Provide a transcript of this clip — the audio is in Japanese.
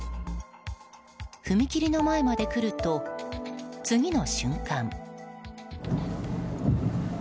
踏切の前まで来ると、次の瞬間。